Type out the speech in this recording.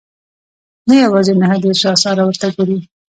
نه یوازې نهه دېرش اثار ورته ګوري.